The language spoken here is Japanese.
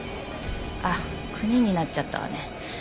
ああ９人になっちゃったわね。